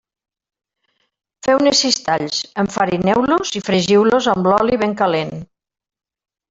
Feu-ne sis talls, enfarineu-los i fregiu-los amb l'oli ben calent.